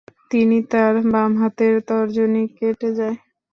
তিনি তার বামহাতের তর্জনী কেটে যায়।